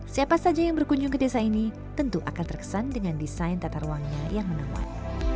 siapa saja yang berkunjung ke desa ini tentu akan terkesan dengan desain tata ruangnya yang menawan